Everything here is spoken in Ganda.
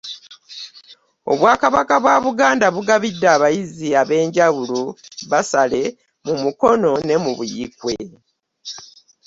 Obwakabaka bwa Buganda bugabidde abayizi ab'enjawulo bbasale mu Mukono ne Buikwe